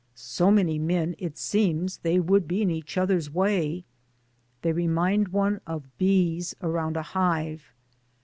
So many men, it seems they would be in each other's way. They re mind one of bees around a hive.